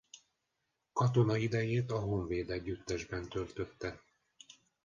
Katona idejét a Honvéd Együttesben töltötte.